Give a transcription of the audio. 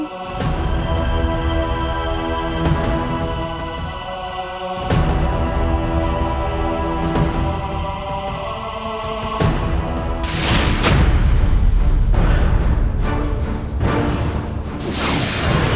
pernah puji tapi cerdas potongilem